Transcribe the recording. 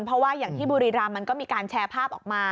เพราะว่าอย่างที่บุรีรำมันก็มีการแชร์ภาพออกมา